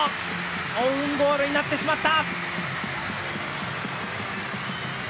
オウンゴールになってしまった！